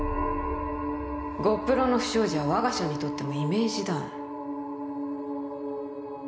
ゴップロの不祥事は我が社にとってもイメージダウン